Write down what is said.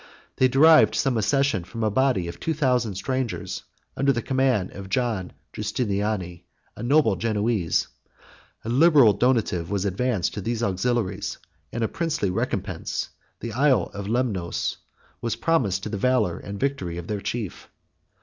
They derived some accession from a body of two thousand strangers, under the command of John Justiniani, a noble Genoese; a liberal donative was advanced to these auxiliaries; and a princely recompense, the Isle of Lemnos, was promised to the valor and victory of their chief.